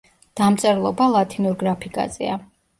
დამწერლობა ლათინურ გრაფიკაზეა.